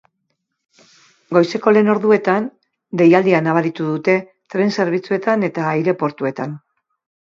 Goizeko lehen orduetan, deialdia nabaritu dute tren-zerbitzuetan eta aireportuetan.